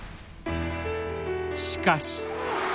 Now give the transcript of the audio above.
しかし。